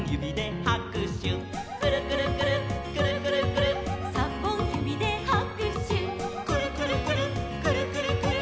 「にほんゆびではくしゅ」「くるくるくるっくるくるくるっ」「さんぼんゆびではくしゅ」「くるくるくるっくるくるくるっ」